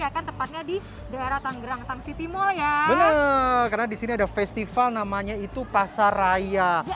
akan tepatnya di daerah tanggerang sangsiti mal ya karena disini ada festival namanya itu pasar raya